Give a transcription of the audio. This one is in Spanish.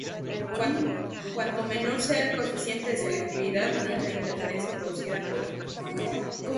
Cuanto menor sea el coeficiente de selectividad, menor es la interferencia producida por "j".